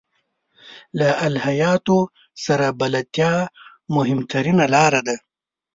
له الهیاتو سره بلدتیا مهمترینه لاره ده.